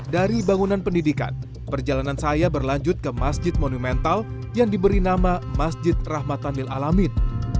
dari bangunan pendidikan perjalanan saya berlanjut ke masjid monumental yang diberi nama masjid rahmatanil alamin